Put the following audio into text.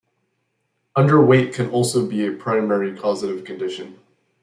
Underweight can also be a primary causative condition.